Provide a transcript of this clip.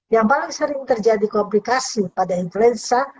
yang paling sering terjadi komplikasi pada influenza